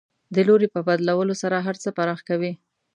د لوري په بدلولو سره هر څه پراخ کوي.